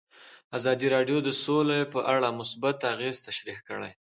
ازادي راډیو د سوله په اړه مثبت اغېزې تشریح کړي.